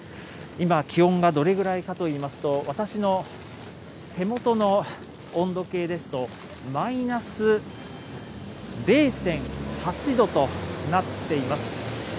今、気温がどれぐらいかといいますと、私の手元の温度計ですと、マイナス０．８度となっています。